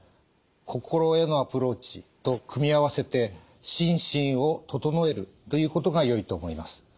心へのアプローチと組み合わせて心身を整えるということがよいと思います。